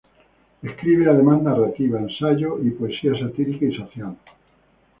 Escribe además narrativa, ensayo y poesía satírica y social.